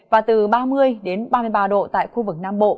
và từ ba mươi ba mươi ba độ tại khu vực nam bộ